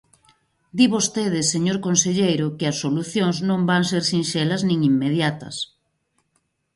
Di vostede, señor conselleiro, que as solucións non van ser sinxelas nin inmediatas.